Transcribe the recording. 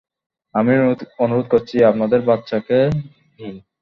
আমি অনুরোধ করছি, আপনাদের বাচ্চাকে নিন।